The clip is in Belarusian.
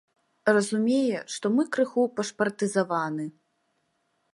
Разумее, што мы крыху пашпартызаваны.